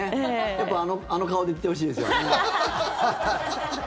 やっぱりあの顔で行ってほしいですよね。